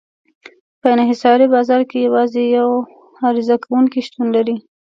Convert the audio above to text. په انحصاري بازار کې یوازې یو عرضه کوونکی شتون لري.